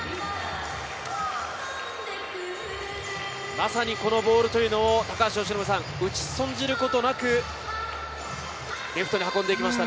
まさにこのボールというのを打ち損じることなく、レフトに運んでいきました。